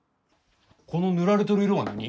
この塗られとる色は何？